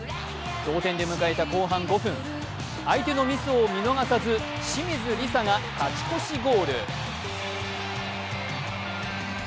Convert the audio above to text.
同点で迎えた後半５分相手のミスを見逃さず、清水梨紗が勝ち越しゴール。